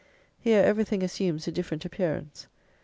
Here everything assumes a different appearance.